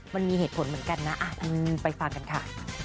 มันมีเหตุผลเหมือนกันนะไปฟังกันค่ะ